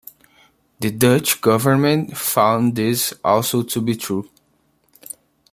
The Dutch government found this also to be true.